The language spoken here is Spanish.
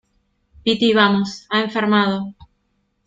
piti, vamos. ha enfermado .